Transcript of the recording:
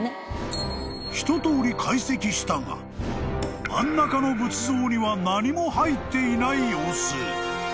［一通り解析したが真ん中の仏像には何も入っていない様子］